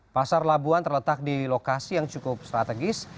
pasar labuan terletak di lokasi yang cukup strategis